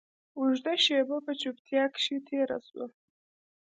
اوږده شېبه په چوپتيا کښې تېره سوه.